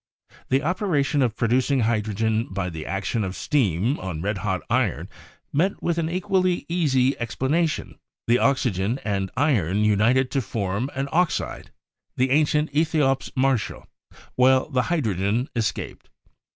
The operation of producing hydrogen by the action of steam on red hot iron met with an equally easy explanation: the oxygen and iron united to form an oxide — the ancient "ethiops mar tial" — while the hydrogen escaped.